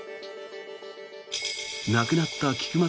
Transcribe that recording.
亡くなった菊松